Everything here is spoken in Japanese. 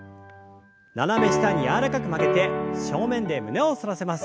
斜め下に柔らかく曲げて正面で胸を反らせます。